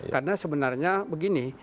karena sebenarnya begini